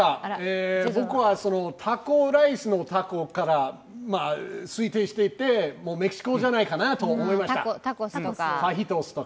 僕はタコライスのタコから推定していってメキシコじゃないかなと思いました。